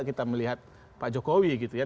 kita melihat pak jokowi gitu ya